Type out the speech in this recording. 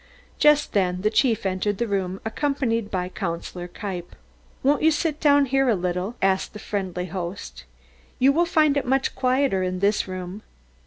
Just then the Chief entered the room, accompanied by Councillor Kniepp. "Won't you sit down here a little?" asked the friendly host. "You will find it much quieter in this room."